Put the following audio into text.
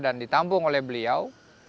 dan ditampung oleh beliau